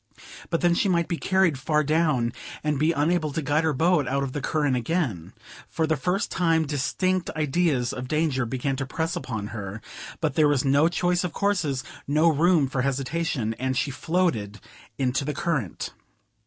But then she might be carried very far down, and be unable to guide her boat out of the current again. For the first time distinct ideas of danger began to press upon her; but there was no choice of courses, no room for hesitation, and she floated into the current.